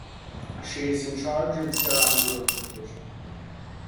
She is in charge of Serangoon division.